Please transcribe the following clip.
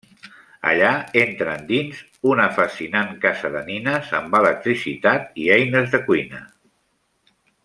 Allà entren dins una fascinant casa de nines amb electricitat i eines de cuina.